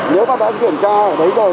nếu mà đã kiểm tra ở đấy rồi